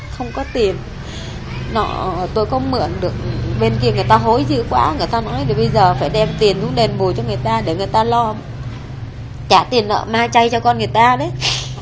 không mượn được bên kia người ta hối dữ quá người ta nói bây giờ phải đem tiền lúc đền bùi cho người ta để người ta lo trả tiền lợi ma chay cho con người ta đấy